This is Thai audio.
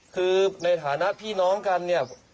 คือในฐานะพี่น้องกันเนี่ย